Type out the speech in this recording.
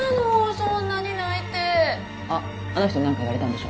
そんなに泣いてあっあの人に何か言われたんでしょ？